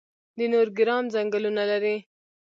د نورګرام ځنګلونه لري